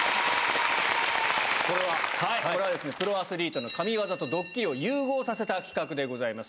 これは、プロアスリートの神業とドッキリを融合させた企画でございます。